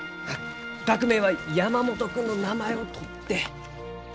学名は山元君の名前をとって。